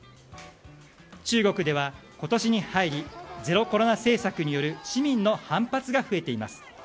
中国では、今年に入りゼロコロナ政策による市民の反発が増えています。